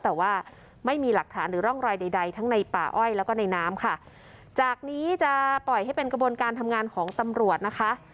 แต่ว่าไม่มีหลักฐานหรือร่องรอยใดใดทั้งในป่าอ้อยแล้วก็ในน้ำค่ะจากนี้จะปล่อยให้เป็นกระบวนการทำงานของตำรวจนะคะ